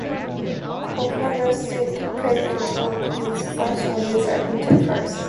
Co-founder Stan Kugell, President, worked with Firmin on the user interface.